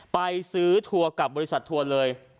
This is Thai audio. ไปซื้อทัวร์กับบริษัททัวร์เลย